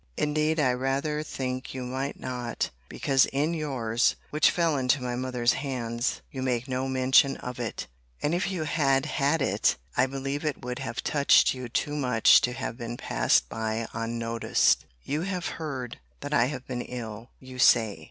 Indeed I rather think you might not; because in your's, which fell into my mother's hands, you make no mention of it: and if you had had it, I believe it would have touched you too much to have been passed by unnoticed. * See Letter XXX. of this volume. You have heard, that I have been ill, you say.